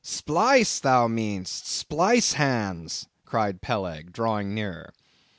"Splice, thou mean'st splice hands," cried Peleg, drawing nearer.